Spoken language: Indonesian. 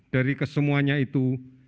dari kesemuanya itu